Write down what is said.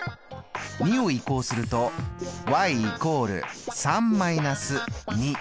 ２を移項すると＝３−２。